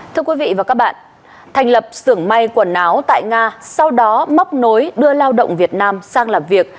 thưa quý vị và các bạn thành lập xưởng may quần áo tại nga sau đó móc nối đưa lao động việt nam sang làm việc